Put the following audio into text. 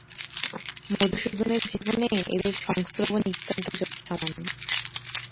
মধুসূদনের জীবনে এদের সংস্রব নিতান্তই যৎসামান্য।